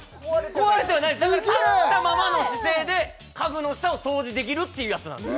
壊れてはないですだから立ったままの姿勢で家具の下を掃除できるっていうやつなんです